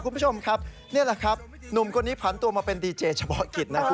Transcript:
คุณผู้ชมครับนี่แหละครับหนุ่มคนนี้ผันตัวมาเป็นดีเจเฉพาะกิจนะครับ